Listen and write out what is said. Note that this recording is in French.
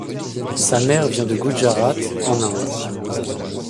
Sa mère vient de Gujarat, en Inde.